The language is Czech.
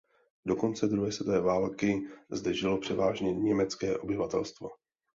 Do konce druhé světové války zde žilo převážně německé obyvatelstvo.